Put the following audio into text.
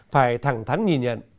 phải thẳng thắn nhìn nhận